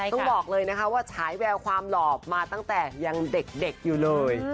ต้องบอกเลยนะคะว่าฉายแววความหล่อมาตั้งแต่ยังเด็กอยู่เลย